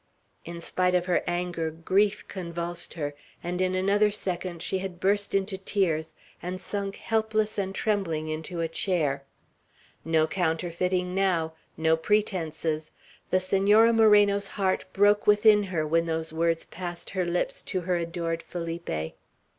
In spite of her anger, grief convulsed her; and in another second she had burst into tears, and sunk helpless and trembling into a chair. No counterfeiting now. No pretences. The Senora Moreno's heart broke within her, when those words passed her lips to her adored Felipe.